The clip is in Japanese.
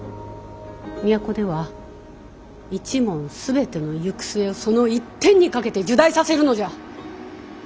都では一門全ての行く末をその一点に賭けて入内させるのじゃ！